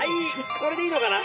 これでいいのかな？